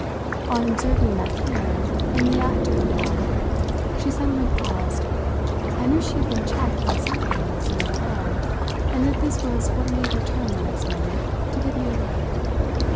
On observing that here, in the act to go down, she suddenly paused, I knew she had been checked by something seen below and that this was what made her turn the next moment to give me a look.